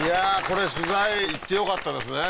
これ取材行ってよかったですね